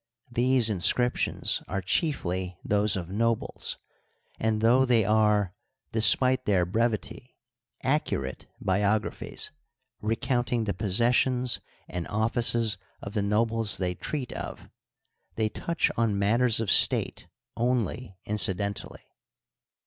These inscriptions are chiefly those of nobles, and though they are, despite their brevity, accurate biographies, re counting the possessions and offices of the nobles they treat of, they touch on matters of state only incidentally.